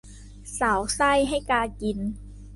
สาวไส้ให้กากิน